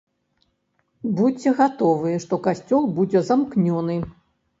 Будзьце гатовыя, што касцёл будзе замкнёны.